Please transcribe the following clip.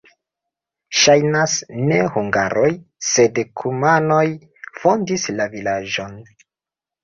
Ŝajnas, ne hungaroj, sed kumanoj fondis la vilaĝon.